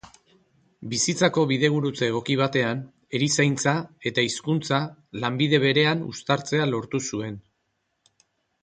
Bizitzako bidegurutze egoki batean, erizaintza eta hizkuntza lanbide berean uztartzea lortu zuen.